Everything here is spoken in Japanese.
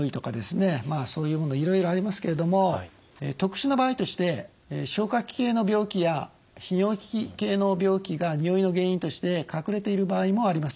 そういうものいろいろありますけれども特殊な場合として消化器系の病気や泌尿器系の病気がにおいの原因として隠れている場合もあります。